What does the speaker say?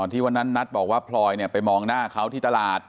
ที่วันนั้นนัทบอกว่าพลอยไปมองหน้าเขาที่ตลาด